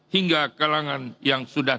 hingga kalangan yang sudah